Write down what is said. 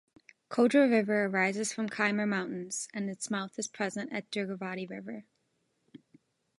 Kodra River arises from Kaimur Mountains and is mouth is present at Durgavati River.